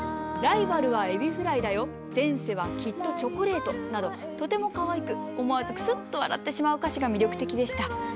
『ライバルはエビフライだよ前世はきっとチョコレート』などとてもかわいく思わずクスッと笑ってしまう歌詞が魅力的でした。